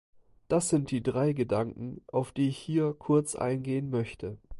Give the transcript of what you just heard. Das sind die drei Gedanken, auf die ich hier kurz eingehen möchte.